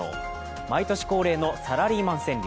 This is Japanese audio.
毎年恒例のサラリーマン川柳。